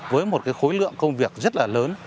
với một khối lượng công việc rất là lớn